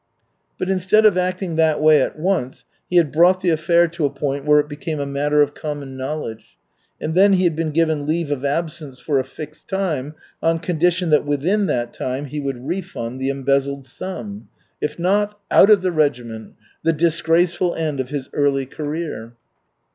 But instead of acting that way at once, he had brought the affair to a point where it became a matter of common knowledge; and then he had been given leave of absence for a fixed time on condition that within that time he would refund the embezzled sum. If not out of the regiment! The disgraceful end of his early career!